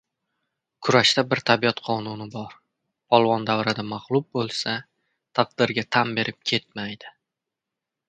Kurashda bir tabiat qonuni bor: polvon davrada maglub bo‘lsa, taqdirga tan berib ketmaydi.